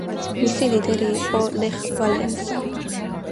მისი ლიდერი იყო ლეხ ვალენსა.